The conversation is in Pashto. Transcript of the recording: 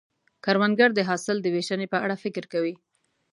کروندګر د حاصل د ویشنې په اړه فکر کوي